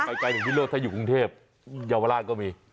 ไปใกล้ถ้าอยู่กรุงเทพฯยาวราชก็มี